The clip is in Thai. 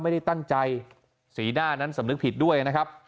ไม่ได้ตั้งใจสีหน้านั้นสำนึกผิดด้วยนะครับ